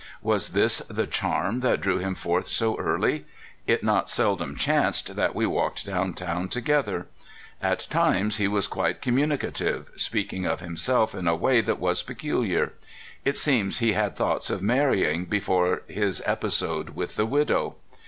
Was this the charm that drew him forth so early? It not seldom chanced that we walked down town together. At times he was quite communicative, speaking of himself in a way that was peculiar. It seems he had thoughts of marr3dng before his episode with the widow.